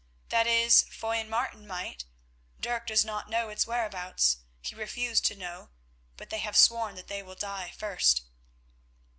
That is, Foy and Martin might—Dirk does not know its whereabouts—he refused to know, but they have sworn that they will die first."